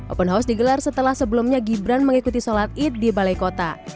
open house digelar setelah sebelumnya gibran mengikuti sholat id di balai kota